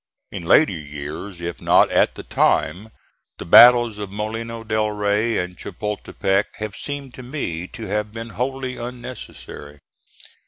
In later years, if not at the time, the battles of Molino del Rey and Chapultepec have seemed to me to have been wholly unnecessary.